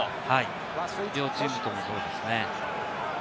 両チームともそうですね。